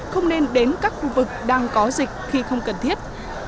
không nên đến các khu vực đang có dịch khi không cần thiết